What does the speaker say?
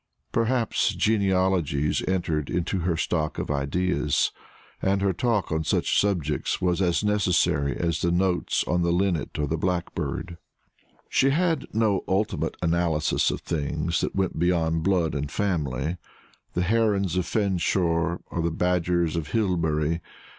Besides, genealogies entered into her stock of ideas, and her talk on such subjects was as necessary as the notes of the linnet or the blackbird. She had no ultimate analysis of things that went beyond blood and family the Herons of Fenshore or the Badgers of Hillbury.